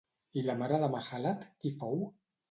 I la mare de Mahalat qui fou?